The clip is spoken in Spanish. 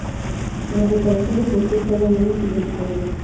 Tras la separación de Busted, cada uno siguió su camino.